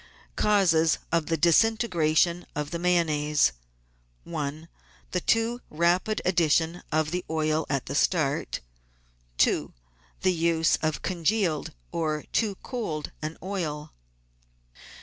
Causes of the Disintegration of the Mayonnaise :— 1. The too rapid addition of the oil at the start. 2. The use of congealed, or too cold, an oil.